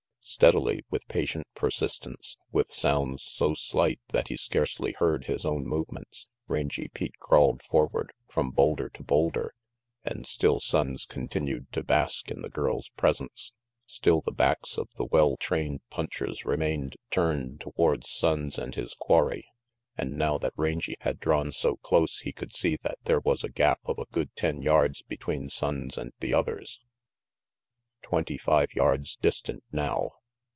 Steadily, with patient persistence, with sounds so slight that he scarcely heard his own movements, Rangy Pete crawled forward, from boulder to boulder, and still Sonnes continued to bask in the girl's presence. Still the backs of the well trained punchers remained turned towards Sonnes and his quarry, and now that Rangy had drawn so close, he could see that there was a gap of a good ten yards between Sonnes and the others. Twenty five yards distant now!